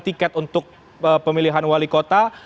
tiket untuk pemilihan wali kota